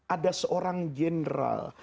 ada seorang jenderal